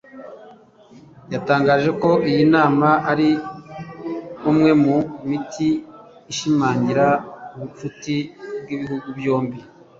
yatangaje ko iyi nama ari umwe mu miti ishimangira ubucuti bw’ibihugu byombi